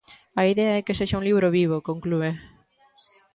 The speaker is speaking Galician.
"A idea é que sexa un libro vivo", conclúe.